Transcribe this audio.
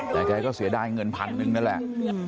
แต่แกก็เสียดายเงินพันหนึ่งนั่นแหละ